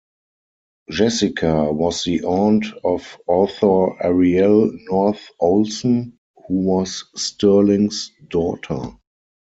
Jessica was the aunt of author Arielle North Olson who was Sterling's daughter.